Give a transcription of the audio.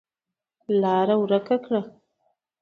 لاره ورکه کړه.